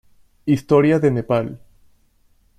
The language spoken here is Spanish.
Historia de Nepal